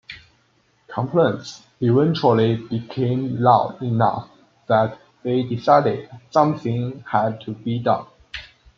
Complaints eventually became loud enough that they decided "something" had to be done.